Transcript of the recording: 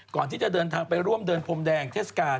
ก่อนที่จะเดินทางไปร่วมเดินพรมแดงเทศกาล